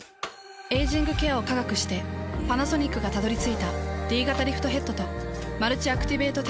エイジングケアを科学してパナソニックがたどり着いたＤ型リフトヘッドとマルチアクティベートテクノロジー。